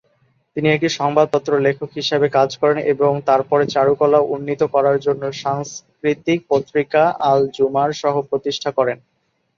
তিনি একটি সংবাদপত্র লেখক হিসাবে কাজ করেন এবং তারপরে চারুকলা উন্নীত করার জন্য "সাংস্কৃতিক পত্রিকা আল জুমার সহ-প্রতিষ্ঠা করেন।"